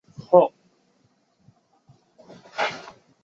伊拉克的穆斯林属于什叶派和逊尼派。